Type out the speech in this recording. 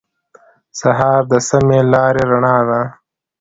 سهار د سمې لارې رڼا ده.